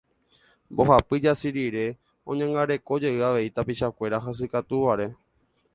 Mbohapy jasy rire oñangarekojey avei tapichakuéra hasykatúvare.